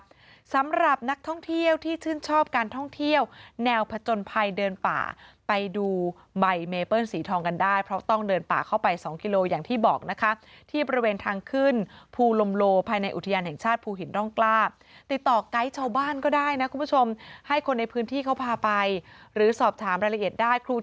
สำหรับนักท่องเที่ยวที่ชื่นชอบการท่องเที่ยวแนวผจญภัยเดินป่าไปดูใบเมเปิ้ลสีทองกันได้เพราะต้องเดินป่าเข้าไปสองกิโลอย่างที่บอกนะคะที่บริเวณทางขึ้นภูลมโลภายในอุทยานแห่งชาติภูหินร่องกล้าติดต่อไกด์ชาวบ้านก็ได้นะคุณผู้ชมให้คนในพื้นที่เขาพาไปหรือสอบถามรายละเอียดได้ครู